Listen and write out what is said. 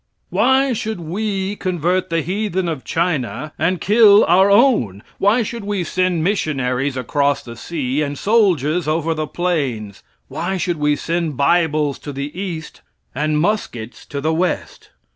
Why should we convert the heathen of China and kill our own? Why should we send missionaries across the seas, and soldiers over the plains? Why should we send bibles to the East and muskets to the West?